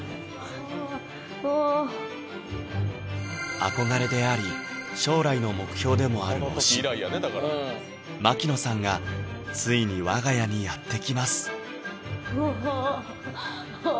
憧れであり将来の目標でもある推し・槙野さんがついに我が家にやって来ます